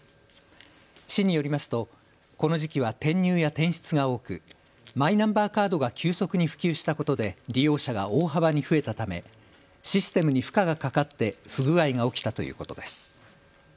市によりますとこの時期は転入や転出が多くマイナンバーカードが急速に普及したことで利用者が大幅に増えたためシステムに負荷がかかって不具合が起きたということです。